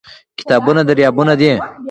کتابونه دريابونه دي